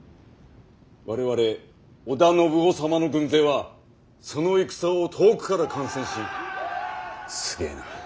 我々小田信夫様の軍勢はその戦を遠くから観戦し「すげえな。